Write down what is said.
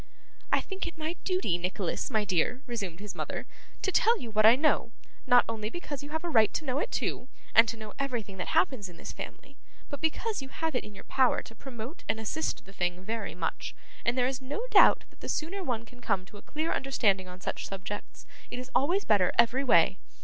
'I think it my duty, Nicholas, my dear,' resumed his mother, 'to tell you what I know: not only because you have a right to know it too, and to know everything that happens in this family, but because you have it in your power to promote and assist the thing very much; and there is no doubt that the sooner one can come to a clear understanding on such subjects, it is always better, every way.